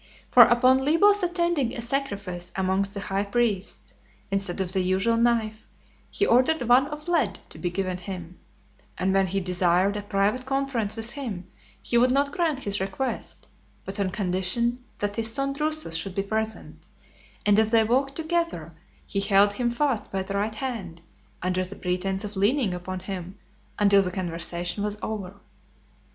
For upon Libo's attending a sacrifice amongst the high priests, instead of the usual knife, he ordered one of lead to be given him; and when he desired a private conference with him, he would not grant his request, but on condition that his son Drusus should be present; and as they walked together, he held him fast by the right hand, under the pretence of leaning upon him, until the conversation was over.